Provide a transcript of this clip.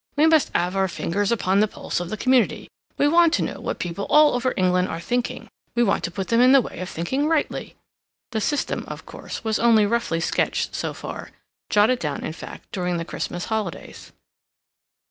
We must have our fingers upon the pulse of the community; we want to know what people all over England are thinking; we want to put them in the way of thinking rightly." The system, of course, was only roughly sketched so far—jotted down, in fact, during the Christmas holidays.